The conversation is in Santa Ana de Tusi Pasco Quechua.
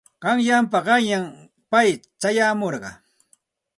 Qanyanpa qanyan pay chayamurqa.